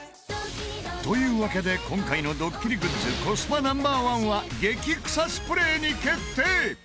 というわけで今回のドッキリグッズコスパＮｏ．１は激臭スプレーに決定！